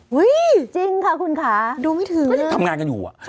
ฮุยจริงนะคะคุณคะดูไม่ถึงท่านงานกันอยู่อ่ะ